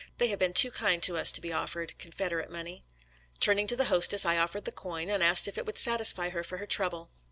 They have been too kind to us to be offered Confed erate money." Turning to the hostess, I offered the coin and asked if it would satisfy her for her trouble.